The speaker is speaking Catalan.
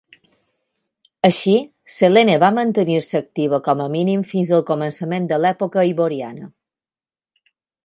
Així, Selene va mantenir-se activa com a mínim fins al començament de l'època Hyboriana.